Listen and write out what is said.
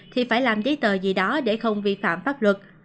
thì phải làm giấy tờ gì đó để không vi phạm pháp luật